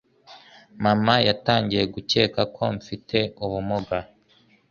mama yatangiye gukeka ko mfite ubumuga.